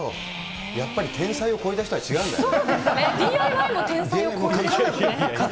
やっぱり天才を超えた人は違うんだよね。